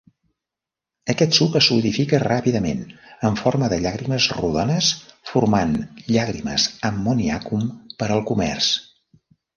Aquest suc es solidifica ràpidament en forma de llàgrimes rodones, formant "llàgrimes ammoniacum" per al comerç.